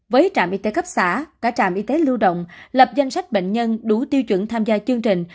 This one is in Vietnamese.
với trạm y tế cấp xã cả trạm y tế lưu động lập danh sách bệnh nhân đủ tiêu chuẩn tham gia chương trình